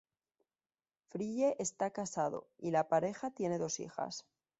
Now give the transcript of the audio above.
Frye está casado y la pareja tiene dos hijas.